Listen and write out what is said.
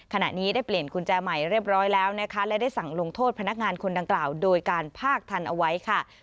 ขณะนี้ได้เปลี่ยนกุญแจใหม่เรียบร้อยแล้วนะคะและได้สั่งลงโทษพนักงานคนดังกล่าวโดยการพากทันเอาไว้ค่ะ